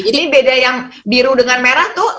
ini beda yang biru dengan merah tuh